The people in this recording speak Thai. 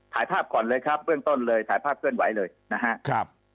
ถ่ายภาพก่อนเลยครับเบื้องต้นเลยถ่ายภาพเคลื่อนไหวเลยนะครับ